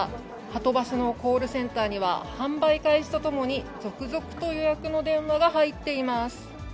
はとバスのコールセンターには、販売開始とともに、続々と予約の電話が入っています。